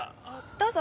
どうぞ。